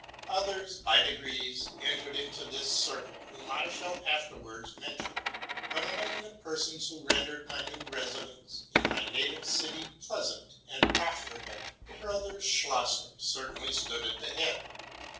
Others by degrees entered into this circle, whom I shall afterwards mention ; but, among the persons who rendered my new resi dence in my native city pleasant and profitable, the brothers Schlosser certainly stood at the head.